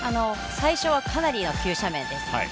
最初はかなりの急斜面です。